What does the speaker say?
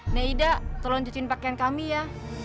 neda tolong cuciin pakaian kami ya